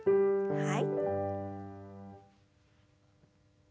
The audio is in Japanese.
はい。